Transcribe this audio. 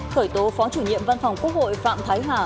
khởi tố phó chủ nhiệm văn phòng quốc hội phạm thái hà